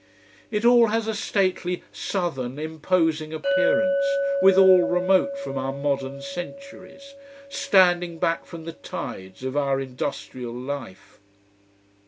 It all has a stately, southern, imposing appearance, withal remote from our modern centuries: standing back from the tides of our industrial life.